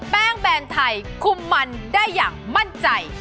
แบรนด์ไทยคุมมันได้อย่างมั่นใจ